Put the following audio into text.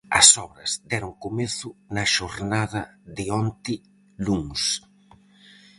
As obras deron comezo na xornada de onte luns.